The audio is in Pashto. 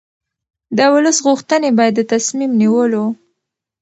د ولس غوښتنې باید د تصمیم نیولو